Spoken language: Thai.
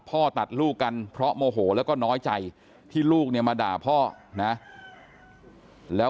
ตัดลูกกันเพราะโมโหแล้วก็น้อยใจที่ลูกเนี่ยมาด่าพ่อนะแล้ว